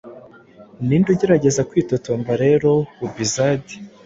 Ninde ugerageza kwitotomba rero aubizad